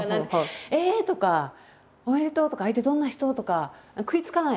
「ええ！」とか「おめでとう！」とか「相手どんな人？」とか食いつかない？